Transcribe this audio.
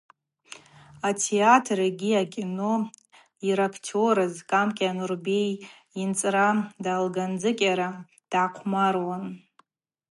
Атеатр йгьи акино йырактерыз Кӏамкӏиа Нурбей йынцӏра далгандзкӏьара дгӏахъвмаруан.